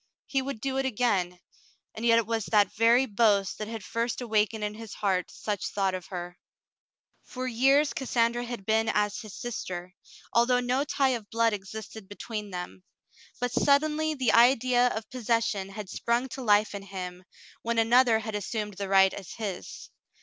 He would do it again, and yet it was that very boast that had first awakened in his heart such thought of her. For years Cassandra had been as his sister, although no tie of blood existed between them, but suddenly the idea of 42 The Mountain Girl possession had sprung to life in him, when another had assumed the right as his.